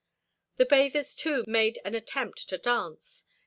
The bathers, too, made an attempt to dance.